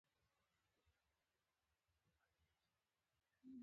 پښتو ادب ډیر بډای دی